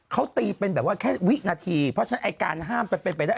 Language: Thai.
เขาตีเป็นแบบว่าแค่วินาทีเพราะฉะนั้นไอ้การห้ามมันเป็นไปได้